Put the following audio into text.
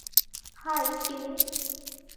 High, ফিনি।